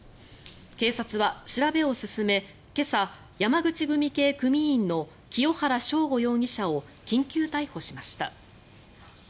警察は調べを進め今朝、山口組系組員の清原昇悟容疑者を緊急逮捕しました。